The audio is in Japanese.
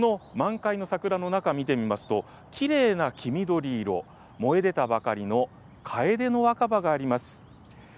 この満開の桜の中、見てみますと、きれいな黄緑色、もえ出たばかりのかえでの若葉があります。